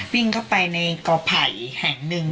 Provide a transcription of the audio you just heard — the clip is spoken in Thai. วิ่งเข้าไปในกอไผ่แห่งหนึ่ง